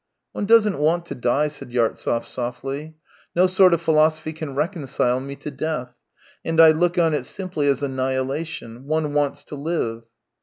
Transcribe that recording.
" One doesn't want to die," said Yartsev softly. " No sort of philosophy can reconcile me to death, and I look on it simply as annihilation. One wants to live."